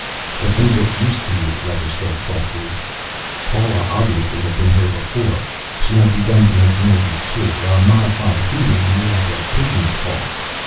"Let them get used to you," said Webber softly. Paula obviously had been here before. She had begun to make noises too, a modified hooting more like a pigeon's call.